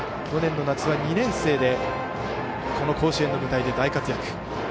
去年の夏は２年生でこの甲子園の舞台で大活躍。